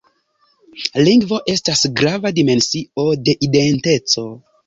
Lingvo estas grava dimensio de identeco.